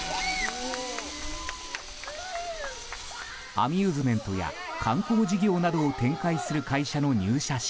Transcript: アミューズメントや観光事業などを展開する会社の入社式。